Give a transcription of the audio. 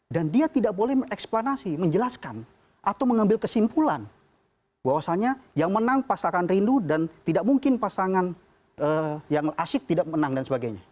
dan dia tidak boleh menjelaskan atau mengambil kesimpulan bahwasannya yang menang pasangan rindu dan tidak mungkin pasangan yang asik tidak menang dan sebagainya